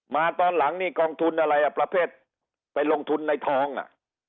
ตอนหลังนี่กองทุนอะไรอ่ะประเภทไปลงทุนในทองอ่ะ